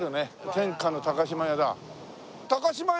天下の高島屋だ。